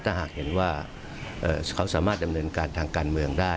ถ้าหากเห็นว่าเขาสามารถดำเนินการทางการเมืองได้